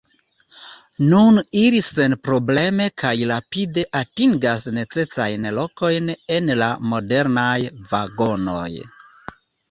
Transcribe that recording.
Nun ili senprobleme kaj rapide atingas necesajn lokojn en la modernaj vagonoj.